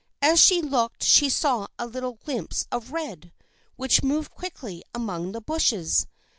As she looked she saw a little glimpse of red, which moved quickly among the bushes.